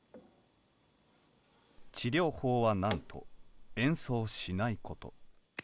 治療法はなんと「演奏しない」こと。